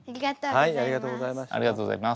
ありがとうございます。